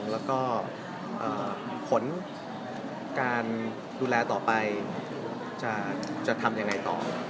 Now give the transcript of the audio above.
แล้วก็ผลการดูแลต่อไปจะทำยังไงต่อ